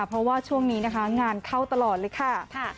เพราะว่าช่วงนี้นะคะงานเข้าตลอดเลยค่ะ